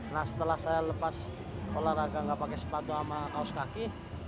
nah setelah saya lepas olahraga nggak pakai sepatu sama kaos kaki